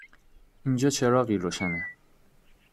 اینجا چراغی روشنه